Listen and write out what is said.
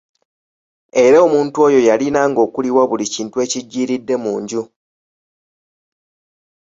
Era omuntu oyo yalinanga okuliwa buli kintu ekiggyiiridde mu nju.